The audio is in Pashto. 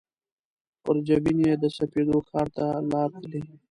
پر جبین یې د سپېدو ښار ته لار تللي